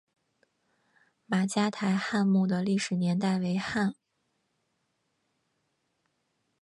马家台汉墓的历史年代为汉。